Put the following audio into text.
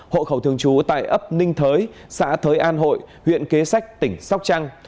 hộ khẩu thường trú tại ấp ninh thới xã thới an hội huyện kế sách tỉnh sóc trăng